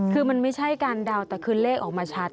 คือมันไม่ใช่การเดาแต่คือเลขออกมาชัด